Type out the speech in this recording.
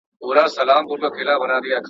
تښتولی له شته منه یې آرام وو !.